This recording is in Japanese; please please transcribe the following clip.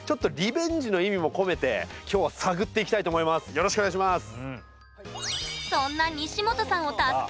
よろしくお願いします。